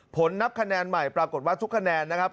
ผลนับคะแนนใหม่ปรากฏว่าทุกคะแนนนะครับ